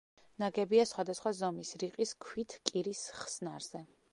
ნაგებია სხვადასხვა ზომის, რიყის ქვით კირის ხსნარზე.